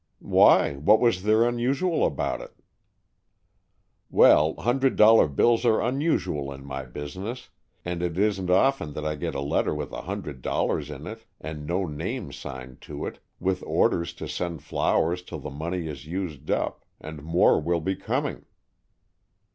"Why, what was there unusual about it?" "Well, hundred dollar bills are unusual in my business, and it isn't often that I get a letter with a hundred dollars in it and no name signed to it, with orders to send flowers till the money is used up and more will be coming."